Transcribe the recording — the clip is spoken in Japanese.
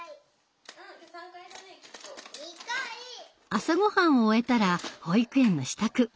朝ごはんを終えたら保育園の支度。